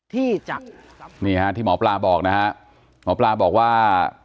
ที่จะนี่ฮะที่หมอปลาบอกนะฮะหมอปลาบอกว่า